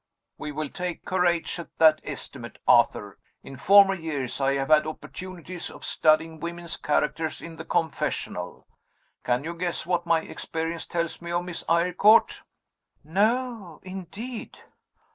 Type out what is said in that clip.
"We will take her age at that estimate, Arthur. In former years, I have had opportunities of studying women's characters in the confessional. Can you guess what my experience tells me of Miss Eyrecourt?" "No, indeed!"